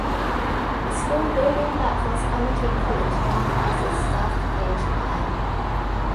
The school building that was Amity College now houses South Page High.